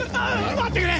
待ってくれ！